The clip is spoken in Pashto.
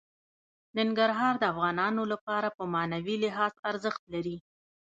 ننګرهار د افغانانو لپاره په معنوي لحاظ ارزښت لري.